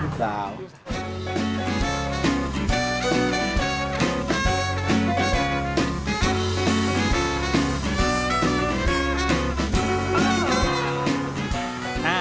มีกรอยู่แล้วใช่ไหม